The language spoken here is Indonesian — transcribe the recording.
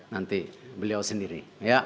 nanti beliau sendiri